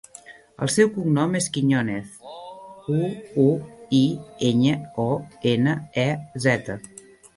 El seu cognom és Quiñonez: cu, u, i, enya, o, ena, e, zeta.